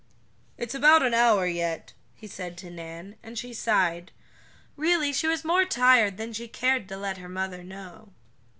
"It's about an hour yet," he said to Nan, and she sighed. Really she was more tired than she cared to let her mother know.